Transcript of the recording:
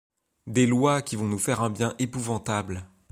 Des lois qui vont nous faire un bien épouvantable ;